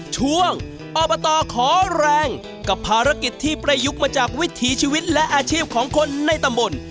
ช่วงอบตขอแรงกับภารกิจที่ประยุกต์มาจากวิถีชีวิตและอาชีพของคนในตำบล